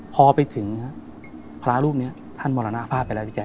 พอไปถึงพระรูปนี้ท่านมรณภาพไปแล้วพี่แจ